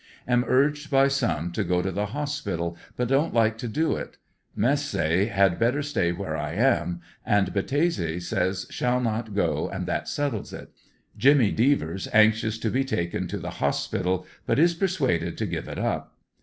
Am urged by some to go to the hospital but don't like to do it; mess say had better stay where 1 am, and Battese says shall not go. and that settles it. Jimmy Devers anxious to be taken to the hospital but is pursuaded to give it up.